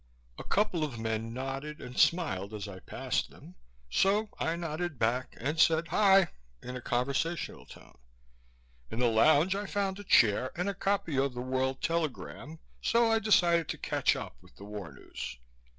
A couple of men nodded and smiled as I passed them, so I nodded back and said, "Hi!" in a conversational tone. In the lounge I found a chair and a copy of the World Telegram, so I decided to catch up with the war news.